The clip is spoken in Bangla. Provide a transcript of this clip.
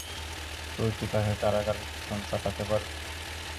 তুই কি তাকে কারাগারের পিছন চাটাতে পারবি?